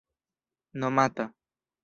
nomata